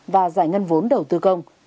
và giải ngân vốn đầu tư công